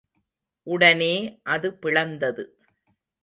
உடனே அது பிளந்தது.